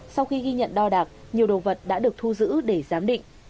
sau khi ghi nhận đo đạc nhiều đồ vật đã được thu giữ để giám định